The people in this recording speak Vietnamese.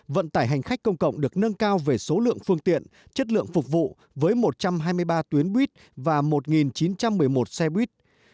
vận tải hành khách công cộng được nâng cao về số lượng phương tiện chất lượng phục vụ với một trăm hai mươi ba tuyến buýt và một chín trăm một mươi một xe buýt